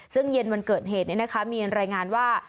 ซึ่งเย็นวันเกิดเหตุมีรายงานว่า